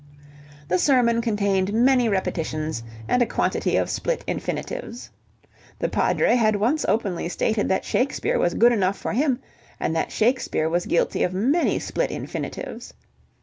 The sermon contained many repetitions and a quantity of split infinitives. The Padre had once openly stated that Shakespeare was good enough for him, and that Shakespeare was guilty of many split infinitives.